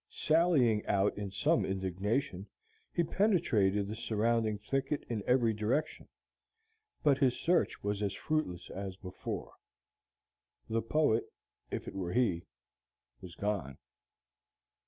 Sallying out in some indignation, he penetrated the surrounding thicket in every direction, but his search was as fruitless as before. The poet, if it were he, was gone.